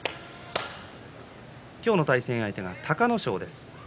対戦相手は隆の勝です。